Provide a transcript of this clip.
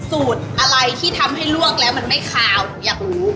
สูตรอะไรที่ทำให้ลวกแล้วมันไม่คาวหนูอยากรู้